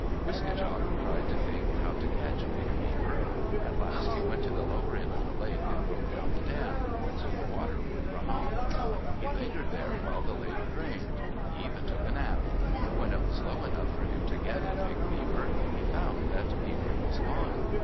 Wiske djak tried to think how to catch Big Beaver. At last he went to the lower end of the lake and broke down the dam, so the water would run off. He lingered there while the lake drained. He even took a nap. When it was low enough for him to get at Big Beaver, he found that Beaver was gone.